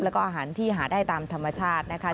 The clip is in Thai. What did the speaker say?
แล้วก็อาหารที่หาได้ตามธรรมชาตินะคะ